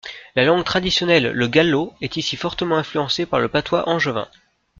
La langue traditionnelle, le gallo, est ici fortement influencée par le patois angevin.